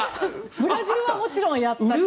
ブラジルはもちろんやったし。